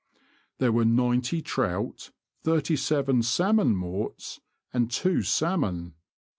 There were ninety trout, thirty seven salmon morts, and two salmon.